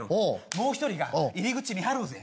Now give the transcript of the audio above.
もう１人が入り口見張ろうぜ。